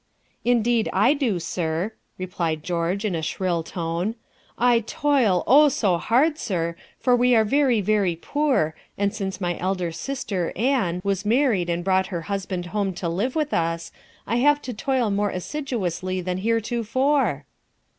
"Indeed, I do, sir," replied George, in a shrill tone. "I toil, oh, so hard, sir, for we are very, very poor, and since my elder sister, Ann, was married and brought her husband home to live with us, I have to toil more assiduously than heretofore."